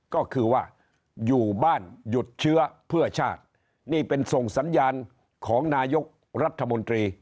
ก็คือว่าอยู่บ้านหยุดเชื้อเพื่อชาตินี่เป็นส่งสัญญาณของนายกรัฐมนตรี